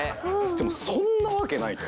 でもそんなわけないと。